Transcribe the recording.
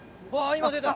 今出た！